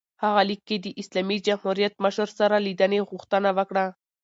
هغه لیک کې د اسلامي جمهوریت مشر سره لیدنې غوښتنه وکړه.